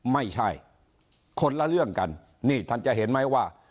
ไม่ใช่คนละเรื่องกันนี่ท่านจะเห็นไหมว่า